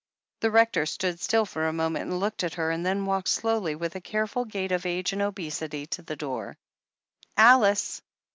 The Rector stood still for a moment and looked at her, then walked slowly, with the careful gait of age and obesity, to the door. 'Alice!"